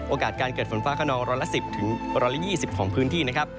การเกิดฝนฟ้าขนองร้อยละ๑๐๑๒๐ของพื้นที่นะครับ